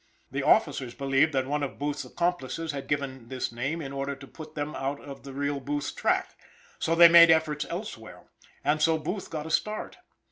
The officers believed that one of Booth's accomplices had given this name in order to put them out of the real Booth's track. So they made efforts elsewhere, and so Booth got a start.